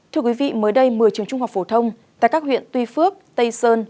thưa quý vị mới đây một mươi trường trung học phổ thông tại các huyện tuy phước tây sơn